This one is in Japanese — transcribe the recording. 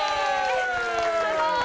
すごい！